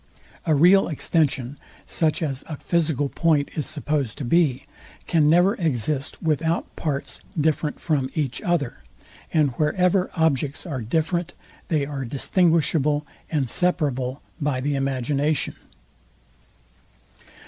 A real extension, such as a physical point is supposed to be, can never exist without parts, different from each other; and wherever objects are different, they are distinguishable and separable by the imagination.